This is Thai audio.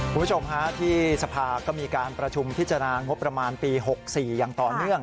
คุณผู้ชมฮะที่สภาก็มีการประชุมพิจารณางบประมาณปี๖๔อย่างต่อเนื่อง